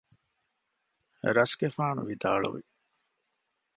ރަސްގެފާނު ވިދާޅުވި